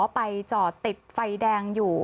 ไปจอดติดไฟแดงอยู่